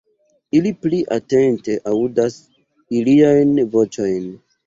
Ili pli atente aŭdas iliajn voĉojn.